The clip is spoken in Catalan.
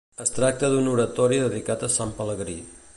Es tracta d’un Oratori dedicat a Sant Pelegrí.